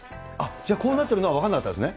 じゃあ、こうなるっていうのは、分かんなかったんですね。